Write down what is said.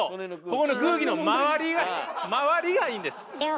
ここの空気の周りが周りがいいんです。